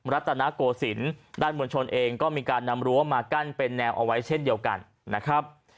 รัฐนาโกศิลป์ด้านมวลชนเองก็มีการนำรั้วมากั้นเป็นแนวเอาไว้เช่นเดียวกันนะครับ